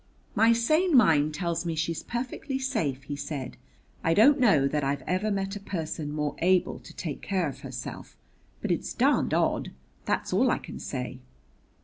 "My sane mind tells me she's perfectly safe," he said. "I don't know that I've ever met a person more able to take care of herself; but it's darned odd that's all I can say."